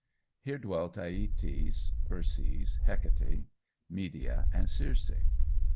Here dwelt Æëtes, Perses, Hecate, Medea, and Circe.